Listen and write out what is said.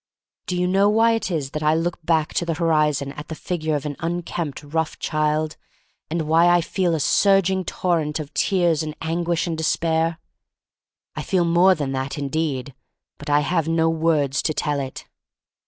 Do you know why it is that I look back to the horizon at the figure of an unkempt, rough child, and why I feel a surging torrent of tears and anguish and despair? I feel more than that indeed, but I have no words to tell it.